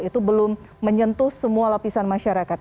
itu belum menyentuh semua lapisan masyarakat